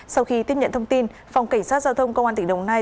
sau khi tiếp nhận thông tin phòng cảnh sát giao thông công an tỉnh đồng nai